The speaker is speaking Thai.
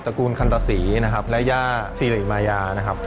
ตระกูลคันตะศรีนะครับและย่าศรีหลีมายานะครับ